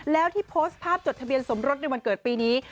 แล้วที่โพสต์ภาพจดทะเบียนสมรสในวันเกิดปีนี้